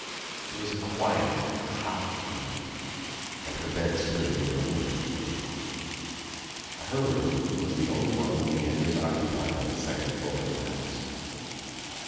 It was a quiet hot night and her bed stood near a window. Her room was the only one the Leanders occupied on the second floor of the house.